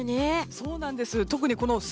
そうなんです。